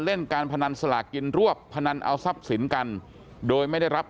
เล่นการพนันสลากกินรวบพนันเอาทรัพย์สินกันโดยไม่ได้รับ